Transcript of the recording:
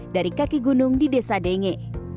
dari kaki gunung di desa denge